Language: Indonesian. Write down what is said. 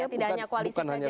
tidak hanya koalisi saja